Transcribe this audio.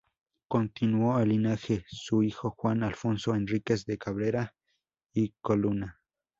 Continuó el linaje su hijo Juan Alfonso Enríquez de Cabrera y Colonna.